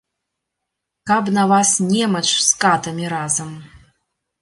Каб на вас немач з катамі разам!